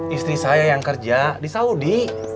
istri saya yang kerja di saudi